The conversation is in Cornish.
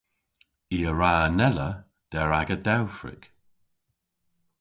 I a wra anella der aga dewfrik.